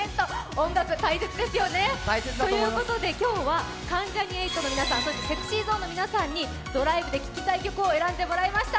音楽、大切ですよね。ということで今日は、関ジャニ∞の皆さんそしてＳｅｘｙＺｏｎｅの皆さんにドライブで聴きたい曲を選んでもらいました。